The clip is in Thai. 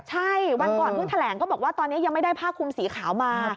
ใช่วันก่อนเพิ่งแถลงก็บอกว่าตอนนี้ยังไม่ได้ผ้าคุมสีขาวมา